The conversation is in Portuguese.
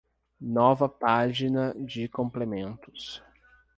Nova página de complementos.